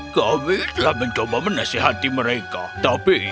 kami telah mencoba menasihati mereka tapi